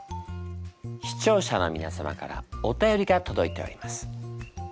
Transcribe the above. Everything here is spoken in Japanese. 視聴者の皆様からお便りがとどいております。